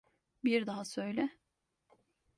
Bir daha söyle.